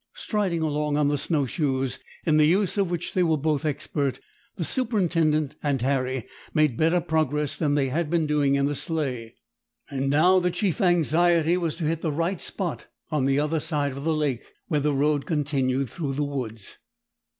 Striding along on the snow shoes, in the use of which they were both expert, the superintendent and Harry made better progress than they had been doing in the sleigh, and now the chief anxiety was to hit the right spot on the other side of the lake, where the road continued through the woods.